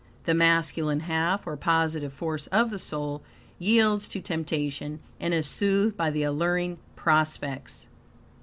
The masculine half, or positive force of the soul, yields to temptation and is soothed by the alluring prospects.